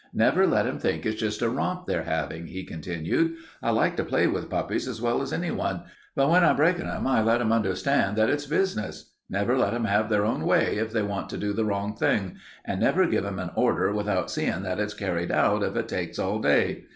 "Never let 'em think it's just a romp they're havin'," he continued. "I like to play with puppies as well as anyone, but when I'm breakin' 'em I let 'em understand that it's business. Never let 'em have their own way if they want to do the wrong thing, and never give 'em an order without seein' that it's carried out if it takes all day.